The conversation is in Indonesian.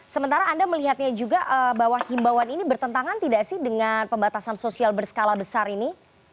sementara anda melihatnya juga bahwa himbauan ini bertentangan tidak sih dengan pembatasan sosial berskala besar ini